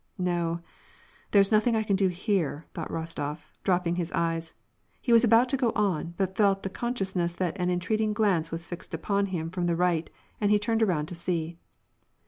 " No, there^s nothing I can do here," thought Rostof, drop ping his eyes ; he was about to go on, but felt the conscious ness that an entreating glance was fixed upon him from the right, and he turned around to see.